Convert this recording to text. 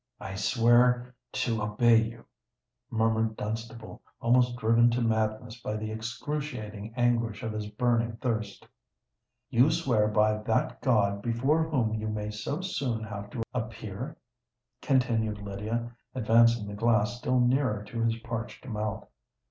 "I swear to obey you," murmured Dunstable, almost driven to madness by the excruciating anguish of his burning thirst. "You swear by that God before whom you may so soon have to appear?" continued Lydia, advancing the glass still nearer to his parched mouth.